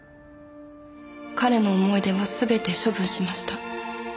「彼の思い出はすべて処分しました」